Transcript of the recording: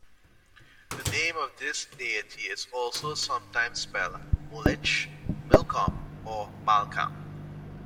The name of this deity is also sometimes spelled Molech, Milcom, or Malcam.